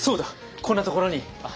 こんなところに。